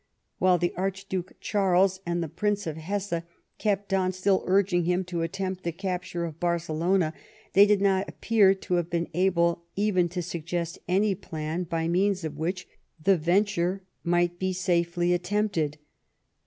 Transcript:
While the Archduke Charles and the Prince of Hesse kept on still urging him to attempt the capture of Barcelona, they do not appear to have been able even to suggest any plan by means of which the vent ure might be safely attempted.